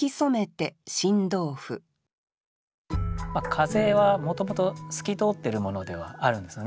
風はもともと透き通ってるものではあるんですよね。